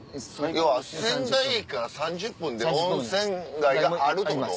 要は仙台駅から３０分で温泉街があるってこと？